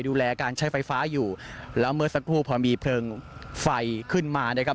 ดูแลการใช้ไฟฟ้าอยู่แล้วเมื่อสักครู่พอมีเพลิงไฟขึ้นมานะครับ